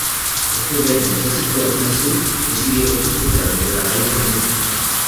Odpovědnost za situaci nesou ti, kteří výrobcům potravin dodávají krmivo.